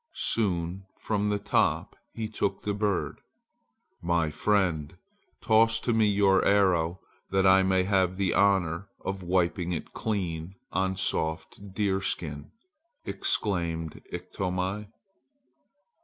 Soon from the top he took the bird. "My friend, toss to me your arrow that I may have the honor of wiping it clean on soft deerskin!" exclaimed Iktomi.